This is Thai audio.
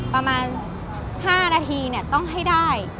ประมาณ๕นาทีต้องให้ได้